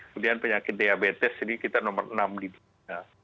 kemudian penyakit diabetes ini kita nomor enam di dunia